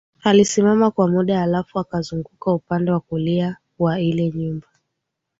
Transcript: Alisimama kwa muda halafu akazunguka upande wa kulia wa ile nyumba